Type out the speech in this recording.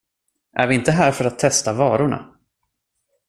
Är ni inte här för att testa varorna?